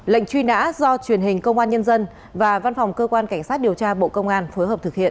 lệnh truy nã do truyền hình công an nhân dân và văn phòng cơ quan cảnh sát điều tra bộ công an phối hợp thực hiện